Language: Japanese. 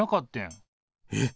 えっ！